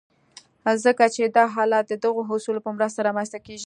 ځکه چې دا حالت د دغو اصولو په مرسته رامنځته کېږي.